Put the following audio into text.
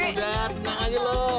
udah tenang lagi lo